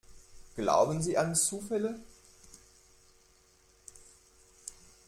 Glauben Sie an Zufälle?